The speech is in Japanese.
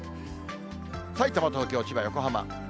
さいたま、東京、千葉、横浜。